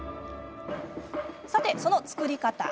さて、その作り方。